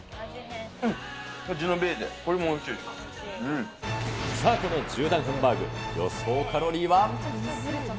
うん、ジェノベーゼ、これもさあ、この１０段ハンバーグ、予想カロリーは？